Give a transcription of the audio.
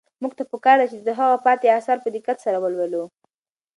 موږ ته په کار ده چې د هغه پاتې اثار په دقت سره ولولو.